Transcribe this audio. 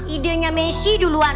ide nya messi duluan